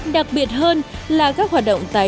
đặc biệt hơn là các hoạt động sản phẩm